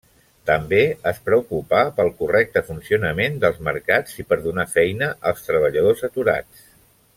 També es preocupà pel correcte funcionament dels mercats i per donar feina als treballadors aturats.